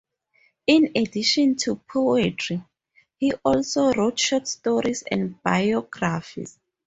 In addition to poetry, he also wrote short stories and biographies.